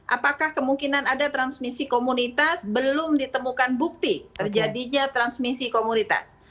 apakah kemungkinan ada transmisi komunitas belum ditemukan bukti terjadinya transmisi komunitas